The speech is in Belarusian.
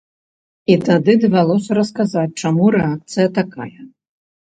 І тады давялося расказваць, чаму рэакцыя такая.